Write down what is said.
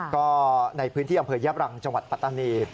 ก็ในพื้นที่อำเภอยับรังจังหวัดปัตตานี